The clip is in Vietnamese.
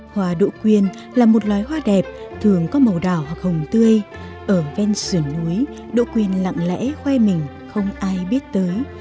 hoa đỗ quyên là một loài hoa đẹp thường có màu đảo hoặc hồng tươi ở ven sườn núi đỗ quyên lặng lẽ khoe mỉnh không ai biết tới